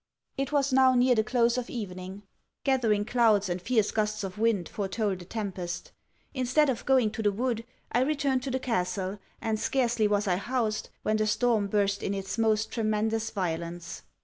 It was now near the close of evening. Gathering clouds and fierce gusts of wind foretold a tempest. Instead of going to the wood, I returned to the castle; and scarcely was I housed, when the storm burst in its most tremendous violence.